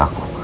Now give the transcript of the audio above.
ada yang mau